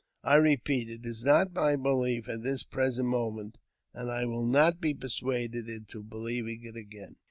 I repeat, it not my belief at this present moment, and I will not be pei suaded into believing it again."